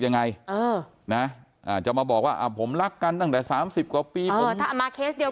ยังไงเออนะจะมาบอกว่าผมรักกันตั้งแต่๓๐กว่าปีผมมาเคสเดียว